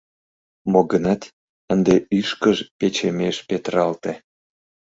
Мо гынат, ынде ӱшкыж печемеш петыралте.